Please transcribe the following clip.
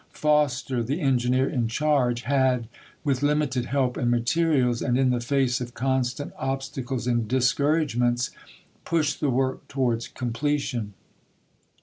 Foster, the engineer in charge, had, i., pp.' 71, 72! with limited help and materials, and in the face of constant obstacles and discouragements, pushed the work towards completion.